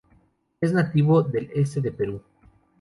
Es nativo del este de Perú.